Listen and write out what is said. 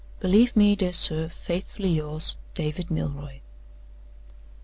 Believe me, dear sir, faithfully yours, "DAVID MILROY."